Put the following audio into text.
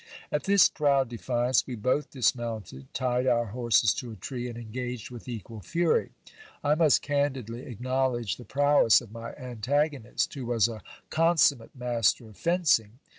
At this proud defiance, we both dismounted, tied our horses to a tree, and engaged with equal fury. I must candidly acknowledge the prowess of my antagonist, who was a consummate master of fencing.